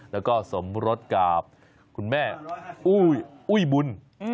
แล้วก็สมรสกับคุณแม่อุ้ยบุญ